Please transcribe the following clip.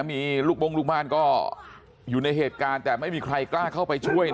มีลูกบ้งลูกบ้านก็อยู่ในเหตุการณ์แต่ไม่มีใครกล้าเข้าไปช่วยนะ